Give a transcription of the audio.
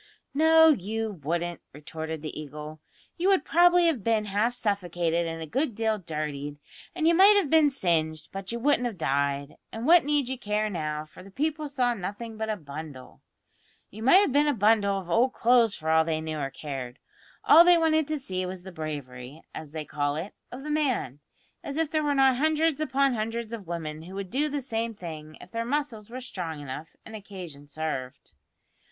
"No, you wouldn't," retorted the Eagle. "You would probably have been half suffocated and a good deal dirtied, and you might have been singed, but you wouldn't have died; and what need you care now, for the people saw nothing but a bundle. You might have been a bundle of old clothes for all they knew or cared. All they wanted to see was the bravery, as they call it, of the man; as if there were not hundreds upon hundreds of women who would do the same thing if their muscles were strong enough, and occasion served."